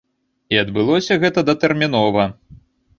І адбылося гэта датэрмінова.